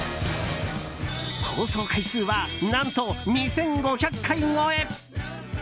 放送回数は何と２５００回超え！